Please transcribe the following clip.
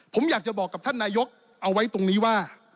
ผมอยากจะบอกกับท่านนายกเอาไว้ตรงนี้ว่า